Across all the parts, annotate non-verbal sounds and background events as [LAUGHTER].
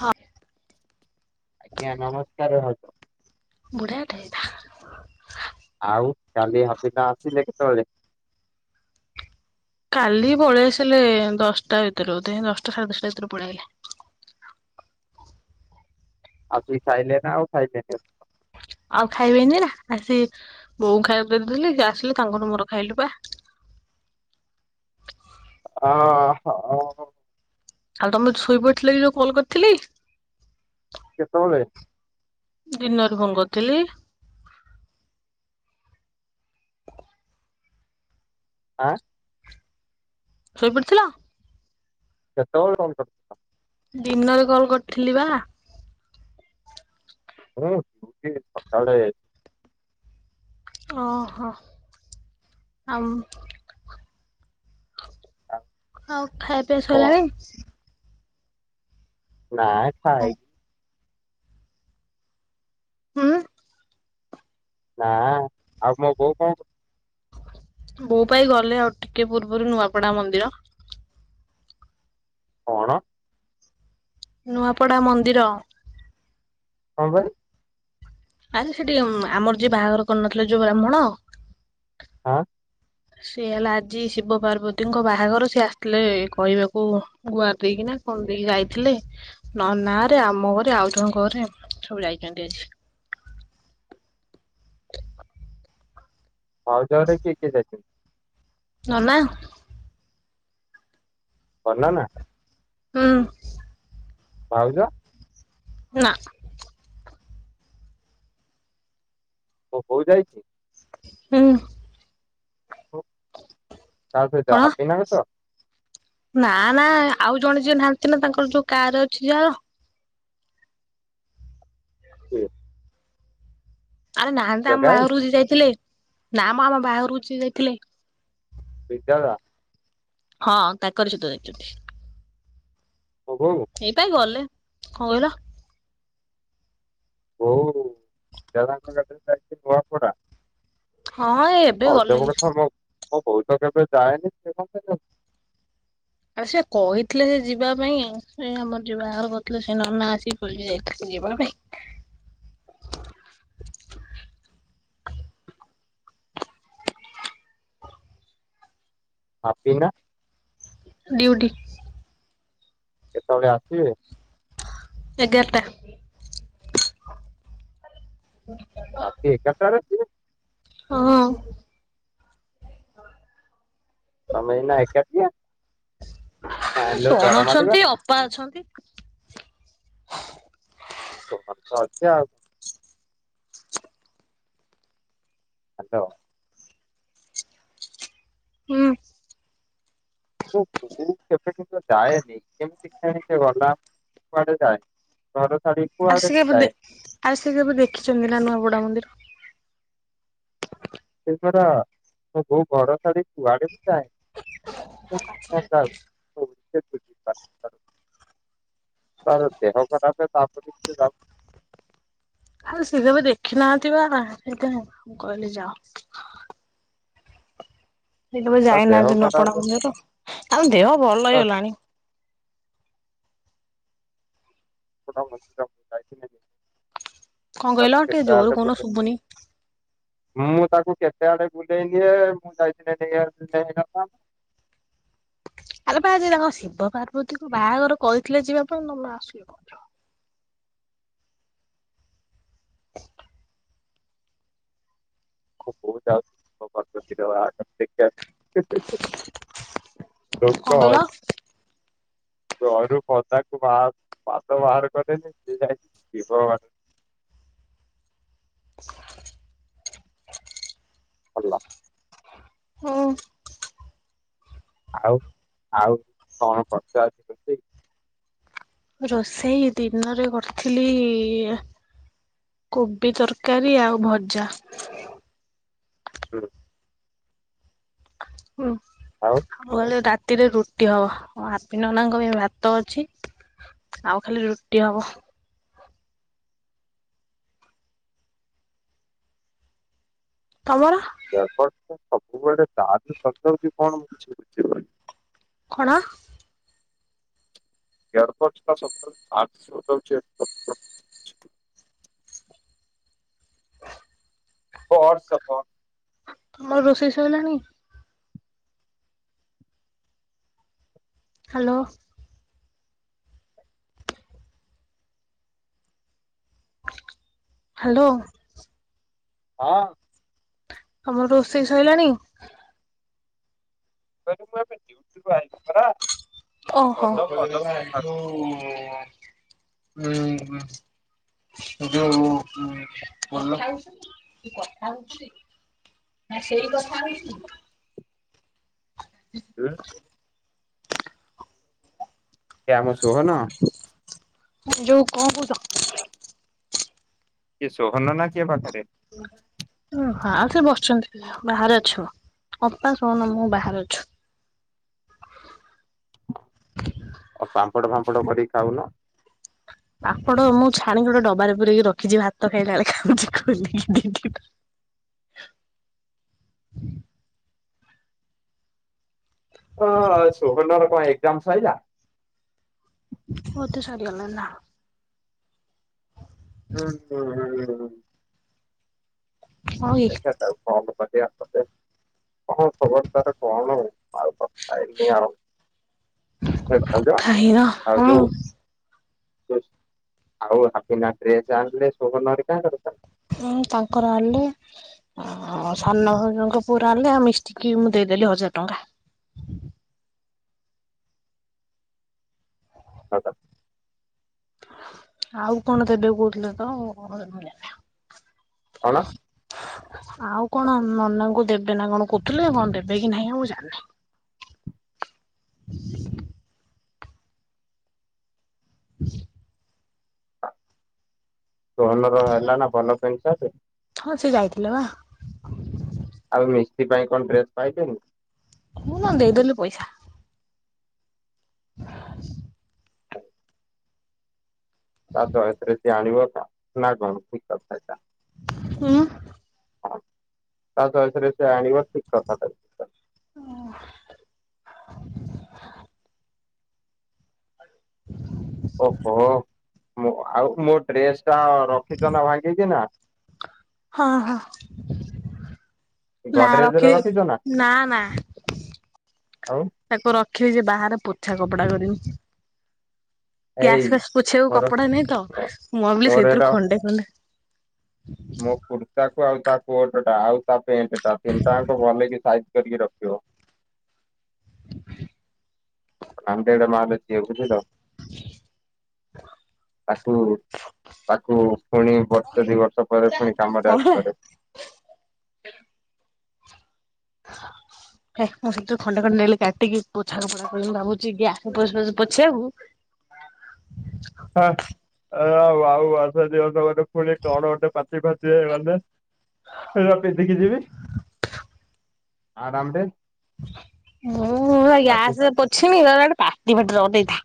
ହଁ। ଆଜ୍ଞା ନମସ୍କାର ଭାଉଜ। ବୁଢ଼ାଟା ହେଇଥା ଆଉ କାଲି [UNINTELLIGIBLE] ଆସିଲେ କେତେବେଳେ? କାଲି ପଳେଇ ଆସିଲେ ଦଶଟା ଭିତରେ ବୋଧ ଦଶଟା ସାଢ଼େ ଦଶଟା ଭିତରେ ପଳେଇ ଆଇଲେ। ଆସିକି ଖାଇଲେ ନା ଆଉ ଖାଇଲେନି? ଆଉ ଖାଇବେନି ନା ଆସି ବୋଉ ଖାଇବାକୁ କରିଦେଲି ଆସିଲି ତାଙ୍କର ମୋର ଖାଇଲୁ ପା। ହ। ଆଉ ତମେ ଶୋଇପଡିଥିଲ କି ଯୋଉ କଲ କରିଥିଲି? କେତବେଲେ? ଦିନରୁ ଫୋନ କରିଥିଲି ଆଁ ଶୋଇପଡିଥିଲ? କେତେବେଳେ କଲ କରଥିଲ? ଦିନରେ କଲ କରିଥିଲି ବା। ଓ ଟିକେ ସକାଳେ ଓହୋ ଆଉ? ଆଉ ଆଉ ଖାଇବା ପିଇଆ କଣ ସରିଲାଣି? ନା ଖାଇନି। ହଁ। ନା ଆଉ ମୋ ବୋଉ କଣ କରୁ ବୋଉ ପାଇଁ ଗଲେ ଆଉ ଟିକେ ପୂର୍ବରୁ ନୂଆପଡା ମନ୍ଦିର। କଣ? ନୂଆପଡା ମନ୍ଦିର। କଣ ପାଇଁ? ଆରେ ସେଠି ଆମର ଯିଏ ବାହାଘର କରୁନଥିଲେ ଯୋଉ ବ୍ରାହ୍ମୁଣ ହଁ। ସେ ହେଲା ଆଜି ଶିବ ପାର୍ବତୀଙ୍କ ବାହାଘର ସିଏ ଆସିଥିଲେ କହିବାକୁ ଗୁଆର ଦେଇକିନା କଣ ଦେଇକି ଯାଇଥିଲେ ନନା ରେ ଆମ ଘରେ ଆଉ ଜଣଙ୍କ ଘରେ ସବୁ ଯାଇଛନ୍ତି ଆଜି। ଭାଉଜ ଘରେ କିଏ କିଏ ଯାଇଛନ୍ତି? ନନା ଭନା ନା? ହଁ। ଭାଉଜା ନା। ହଁ ହଉ ଯାଇଛି। ହୁଁ। ଚାଲ ଯ କଣ ହାପି ନଛ। ନା ନା ଆଉ ଜଣେ ଯିଏ ନାହାନ୍ତି ନା ତାଙ୍କର ଯୋଉ କାର ଅଛି ଯାହାର। ହୁଁ। ଆରେ ନାହାନ୍ତି ତ ଆମ ବାଘରକୁ ଯିଏ ଯାଇଥିଲେ। ନାାମ ଆାମ ବାହାରୁ ଯ ଯାଇଥିଲେ [UNINTELLIGIBLE] ହଁ କା କରିଛ ତଚୁଟି। ମୋ ବୋଉ ଏଇ ପାଗଲେ। ହଉଲା। ହୋ ଦଙ୍କରେ ଯାଇି ନୂଆପଢଡା। ହଁ ଏ ଏବେ ଗଲେ। ମୋ ବୋଉ ତ କେବେ ଯାଏନି ସେ ଆ ସେ କହିଥିଲେ ସେ ଯିବା ପାଇଁ ଆଉ ସେ ଆମର ଯୋଉ ବାହାଘ କରିଥିଲେ ସେ ନନା ଆସି ବଲ ଯାଇଥିଲେ ଯିବା ପାଇଁ ହାପି ନା। ଡିଉଡି। କେତେବେଳେ ଆସିବେ? ଏଗାରଟା। ରାତି ଏଗାର ଟା ରେ ହଁ। ତମେ ଏନା ଏକାଟିଆ ମା ଲୋ କଣ ଡର ଅଛନ୍ତି ମାଡିବନି? ଅପା ଅଛନ୍ତି। ତ ହମ ତ ଅଛେ ଆଉ ଆଛ। ହୁଁ। କେେ [INAUDIBLE] ଯାଏନି କେମିତି କ୍ଷଣିିକ ଗଲା କୁଆଡେ ଯାଏ ଘର ଛାଡି ଆ କୁଆଡେ ସେ ବି କେବେ ଯାଏ ଆ ସେ କେବେ ଦେଖିଛନ୍ତି ନା ନୂଆ ବଡ ମନ୍ଦିର? ସେଥର ବୋଉ ଘର ଛାଡି କୁଆଡେ ବି ଯାଏନି [INAUDIBLE] ତାର ଦେହ ଖରାପ ତାପରେ ତା। ଆଉ ସି ତବେ ଦେଖି ନାହାଥିବା ସେ କହିଲି ଯାଅ। ସେକେବେ ତା ଦେହ ଯାଇନାହାନ୍ତି ନୂଆପଡା ଖରାପ ମନ୍ଦିର ଦେହ ଭଲ ତା ହେଇଗଲାଣି। ୋଟ ମଜିାଇ। [INAUDIBLE] କଣ କହିଲ ଟିକେ ଜୋର କହୁନ ସୁୁଭୁନି। ମୁଁ ତାକୁ କେତେ ଆଡେ ବୁଲେଇ ନିଏ ମୁଁ ଯାଇଥିଲି ନେଇ ନେଇଆସିଥିଲେ ହେଇନଥାନ୍ତା। ଆରେ ବା, ଯେ ତାଙ୍କ ଶିବ ପାର୍ବତୀକୁ ବାହାଘର କହିଥିଲେ ଯିବା ପାଇଁ ତମେ ଆସିଲ କଣ ପାଇଁ। [INAUDIBLE] ମୋ ବୋଉ ଯାଉଛି ଶିବ ପାର୍ବତୀ ର ବାହାଘର ଦେଖିବା ପାଇଁ। ହେ ହେ ହେ ତ କହିଲ? କଣ ଘରୁ ପଦାକୁ ବା ପାଦ ବାହାର କରେନି ସେ ଯାଇଛି ଶିବ ପାର୍ବତୀ [INAUDIBLE] ହାଲୋ ହୁଁ, ଆଉ ଆଉ କଣ କରିଚ ଆଜି ରୋଷେଇ ରୋଷେଇ ଦିନରେ କରିଥିଲି, କୋବି ତରକାରୀ ଆଉ ଭଜା। ହଁ, ହୁଁ ଆଉ ହ ରାତି ରାତିରେ ରୁଟି ହବ, ହାପି ନନାଙ୍କ ପାଇଁ ଭାତ ଅଛି, ଆଉ ଖାଲି ରୁଟି ହବ। ତମର ଏୟାରପୋଡ ଟା ସବୁବେଳେ ଚାର୍ଜ ସରିଯାଉଛି କଣ ମୁଁ ବୁଝିପାରୁନି। କଣ? ଏୟରପୋଡ଼ ଟା ସବୁବେଳେ ଚାର୍ଜ ସରିଯାଉଛି। [UNINTELLIGIBLE] ବ ସବ [INAUDIBLE] ତମର ରୋଷେଇ ସଇଲାଣି? ହାଲୋ। ହାଲୋ। ହଁ, ତମର ରୋଷେଇ ସରିଲାଣି? ରେ ମୁଁ ପରା ଏବେ ଡିଉଟି ଆଇଲି ପରା। ଅଜବ ଅଜବ କଥା ଓହୋ, ହଁ ଯଉ, ହୁଁ, କିଏ ଆମ ଶୋହନ? ଯୋଉ କଣ କହୁଛ? କିଏ ସୋହନ ନା କିଏ ପାଖରେ ଓ ହଁଉ ସେ ବସିଛନ୍ତି, ବାହାରେ ଅଛୁ, ଅପା ସହନ ମୁଁ ବାହାରେ ଅଛୁ ଆଉ ପାମ୍ପଡ ଫାମ୍ପଡ କରିକି ଖାଉନ ପାମ୍ପଡ଼ ମୁଁ ଛାଣିକି, ଗୋଟେ ଡବାରେ ପୁରେଇକି ରଖିଛି ଆଜି ଭାତ ଖାଇଲା ବେଳେ [UNINTELLIGIBLE] ଦି ଦିଟା ହଁ ସହନ ର କଣ କାମ ସଇଲା ମୋର ତ ସରିଗଲା ନା ହୁଁ ହୁଁ ହୁଁ ହଁ ହଁ ହଉ ଏ ଦେଖାଯାଉ କଣ ହବ । କଣ ଖବର ତାର କଣ ଆଉ କଥା ହେଇନି ଆଉ । କଥା ହେଇନା ଆଉ ହଁ ଯୋଉ [UNINTELLIGIBLE] ଆଉ ହାପିନା ଡ୍ରେସେ ଆଣିଲେ ସୋହନ ହରିକା [UNINTELLIGIBLE] ହୁଁ ତାଙ୍କର ଆଣିଲେ ଆ ସାନଭାଉଜଙ୍କ ପୁଅରଆଣିଲେ। ଆଉ ମିଷ୍ଟିକି ମୁଁ ଦେଇଦେଲି ହଜାର ଟଙ୍କା। ହ [UNINTELLIGIBLE] ଆଉ କଣ ଦେବେ କହୁଥିଲେ ତ? କଣ? ଆଉ କଣ ନନାଙ୍କୁ ଦେବେ ନା କଣ କହୁଥିଲେ କଣ ଦେବେ କି ନାହିଁ ଆଉ ଜାଣିନି? ହୁଁ [INAUDIBLE] ଧନର ହେଲା ନା ଭଲ ପେଣ୍ଟ ସାର୍ଟ? ହଁ ସେ ଯାଇଥିଲା ପା। ଆଉ ମିସ୍ତ୍ରୀ ପାଇଁ କଣ ଡ୍ରେସ୍ ପାଇଛନ୍ତି? ମୁଁ ନା ଦେଇଦେଲି ପଇସା। [INAUDIBLE] ତା ଚଏସ ରେ ସିଏ ଆଣିବ ନା କଣ ଠିକ୍ କଥା ଏଇଟା। ହଁ [UNINTELLIGIBLE] ତା ଚଏସରେ ସେ ଆଣିବ। ଶଠିକ କଥାଟ [INAUDIBLE] ମୁଁ ଆଉ ମୋ ଡ୍ରେସ୍ ହଁ ହଁ ନା ଗଡରେଜ ରେ ରଖିଛ ରଖିବ ନା ନା ଆଉ ତାକୁ ରଖିବେଛି ବାହାରେ ପୋଛା କପଡା କରିମି। ଗ୍ୟାସ ଏଇ ଫ୍ୟାସ ପୋଛିଆକୁ ମୋର କପଡା ନାଇଁ ତ ମୁଁ ଭାବିଲି ସେଇଥିରୁ ଖଣ୍ଡେ ଖଣ୍ଡେ ମୁଁ କୁର୍ତ୍ତା ଆଉ ତା କୋଟ ଟା ଆଉ ପେଣ୍ଟ ଟା ନ୍ତାା ଭଲ ଲ କି ସାଇ [INAUDIBLE] କରିକି ରଖଥିବ। [UNINTELLIGIBLE] ତାକୁ ତାକୁ ପୁଣି ବର୍ଷେ ଦି ବର୍ଷ ପରେ ପୁଣି କାମରେ କଣ ହେଲା? ଆସିପାରେ। ହେଁ ମୁଁ ସେଥିରେ ଖଣ୍ଡେ ଖଣ୍ଡେ ନଲି କାଟିକି ପୋଛକୁ ପା ମୁଁ ଭାବୁଛି ଗ୍ୟାସ ପ ପ ପୋଛେଇିବାକୁ । ହେ ଏ ଆଉ ମାସେ ଦିମାସେ ଗନେ ଫୁଣି କଣ ଗୋଟେ ପାଟି ଫାଟି ହେଇଗନେ ହେରା ପିନ୍ଧିକି ଯିବି। ଆରାମରେ। ମୁଁ ଏଆ ତାକୁ ଗ୍ୟାସରେ ପୋଛିମି କହିଲା ଗୋଟେ ପାଟି ଫାଟରେ ଅନ୍ ନେଇଥା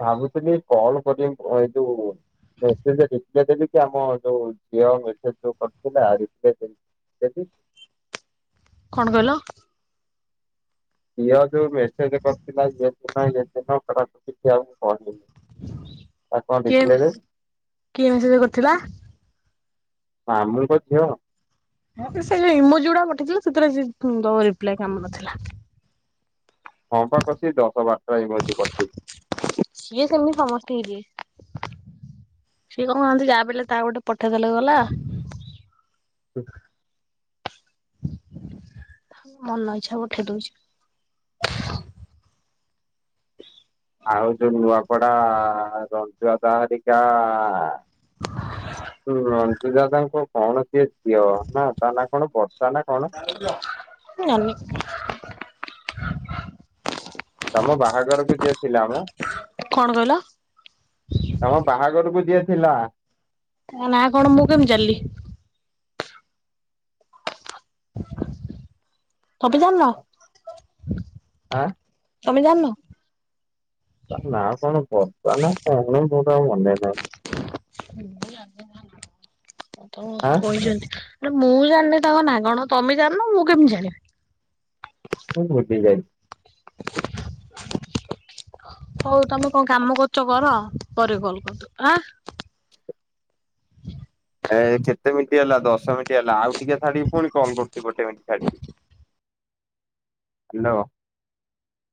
ଭାବୁଥୁଲି କଲ କରିମି ଏ ଯୋଉ ମେସେଜେ ରିଫ୍ରେସେ ଟିକେ ଆମ ଯୋଉ ଝିଅ ମେସେଜ ଯୋଉ କରିଥିଲା ରିଫ୍ରେସେ [UNINTELLIGIBLE] କଣ କହିଲ? ଝିଅ ଯୋଉ ମେସ୍ ସେମତି କରିଥିଲା। [UNINTELLIGIBLE] [INAUDIBLE] ମୁଁ କହିନି। ତାକୁ କଣ କିଏ ରିପ୍ଲାଏ ଦେବି କିଏ ମେସେଜେ କରିଥିଲା? ମାମୁଁଙ୍କ ଝିଅ। ହେ ତ ସେ ଯୋଉ ଇମୋଜିଗୁଡାକ ପଠେଇଥିଲା ସେଥିରେ ସେ ଦବ ରିପ୍ଲାଏ କାମ ନଥିଲା। ହଁ ପା କସିକି ଦଶ ବାର ସିଏ କେମିତି ସମସ୍ତିକି ଦିଏ? ସିଏ କଣ କନ୍ତିକି ଯାପିଲେ ତା ଗୋଟେ ପଠେଇଦେଲେ ଗଲା। ହୁଁ ମନଇଛା ପଠେଇ ଦୋଉଚି। ଆଉ ଯୋଉ ନୂଆପଡା ରଞ୍ଜୁଆଦା ହାରିକା ହୁଁ। [UNINTELLIGIBLE] ଦାଦାଙ୍କ କଣ ସିଏ ଝିଅ ନା ତା ନାଁ କଣ ବ ମୁଁ ଜାଣନି। [INAUDIBLE] ତମ ବାହାଘରକୁ ଯିଏ ଥିଲାମ କଣ କହିଲ? ତମ ବାହାଘରକୁ ଯିଏ ଥିଲା। ତା ନାଁ କଣ ମୁଁ କେମତି ଜାଣିଲି? ତମେ ଜାଣିନ? ଆଁ ତମେ ଜାଣିନ? ତା ନାଁ କଣ ବର୍ଷା ନା କଣ କୋଉଟା ଆଉ ମନେ ନାହିଁ। ମୁଁ ଜାଣିନି ତା ନାଁ କଣ। ତମକୁ ଆଁ କହିଚନ୍ତି ମୁଁ ଜାଣିନି ତାଙ୍କ ନାଁ କଣ ତମେ ଜାଣନ ମୁଁ କେମିତି ଜାଣିବି? ମୁଁ ବୁଝିଗଲି। ହୋଉ ତମେ କଣ କାମ କରୁଚ କର ପରେ କଲ୍ କରଦୋଉ ଆଁ ହ [INAUDIBLE] [UNINTELLIGIBLE] ଏ କେତେ ମିନଟି ହେଲା ଦଶ ମିନଟି ହେଲା ଆଉ ଟିକେ ଛାଡିକି ଫୁଣି କଲ କରୁଚି ଗୋଟେ ମିନଟି ଛାଡିକି ହାଲୋ